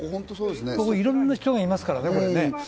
いろんな人がいますからね。